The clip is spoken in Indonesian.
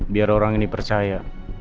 biar orang ini percaya